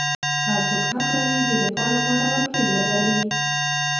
هر څوک حق لري د دفاع لپاره وکیل ولري.